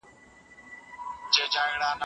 همدا ښارونه، دا کیسې او دا نیکونه به وي